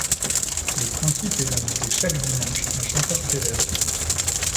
Le principe est d'inviter chaque dimanche un chanteur célèbre.